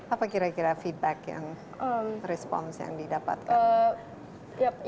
apa kira kira feedback yang respons yang didapatkan